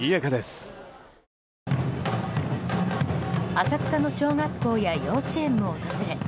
浅草の小学校や幼稚園も訪れ